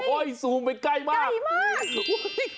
โอ้ยซูมไปใกล้มาก